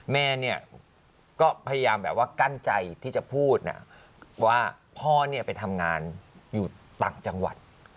แม่เนี่ยก็พยายามแบบว่ากั้นใจที่จะพูดว่าพ่อเนี่ยไปทำงานอยู่ต่างจังหวัด